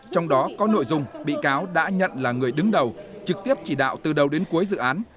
trong đó có nội dung bị cáo đã nhận là người đứng đầu trực tiếp chỉ đạo từ đầu đến cuối dự án